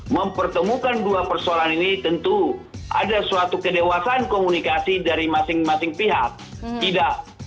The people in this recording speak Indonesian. mempertemukan dua persoalan ini tentu ada suatu kedewasaan komunikasi dari masing masing pihak tidak